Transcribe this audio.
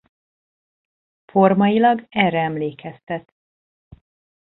Formailag erre emlékeztet.